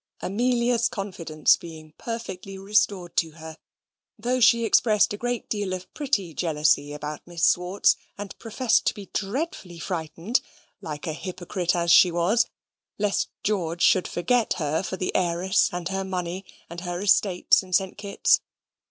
Amelia's confidence being perfectly restored to her, though she expressed a great deal of pretty jealousy about Miss Swartz, and professed to be dreadfully frightened like a hypocrite as she was lest George should forget her for the heiress and her money and her estates in Saint Kitt's.